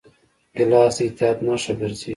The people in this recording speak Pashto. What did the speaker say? ګیلاس د اطاعت نښه ګرځېږي.